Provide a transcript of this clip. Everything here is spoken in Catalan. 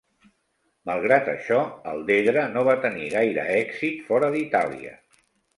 Malgrat això, el Dedra no va tenir gaire èxit fora d'Itàlia.